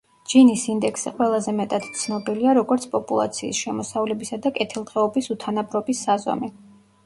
ჯინის ინდექსი ყველაზე მეტად ცნობილია, როგორც პოპულაციის შემოსავლებისა და კეთილდღეობის უთანაბრობის საზომი.